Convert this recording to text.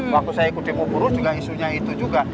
waktu saya ikut di muburu juga isunya itu juga